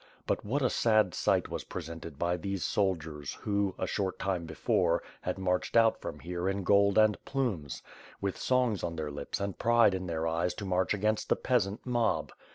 But what a sad sight was presented by these soldiers, who, a short time before had marched out from here in gold and plumes; wi th songs on their lips and pride in their eyes to march against the peasant mob!